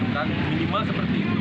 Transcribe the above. dan minimal seperti itu